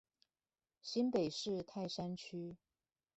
新北市泰山區